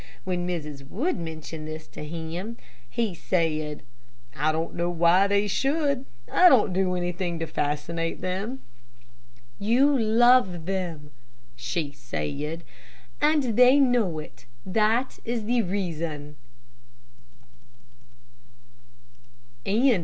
When Mrs. Wood mentioned this to him he said, "I don't know why they should I don't do anything to fascinate them." "You love them," she said, "and they know it. That is the reason."